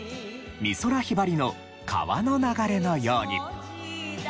美空ひばりの『川の流れのように』。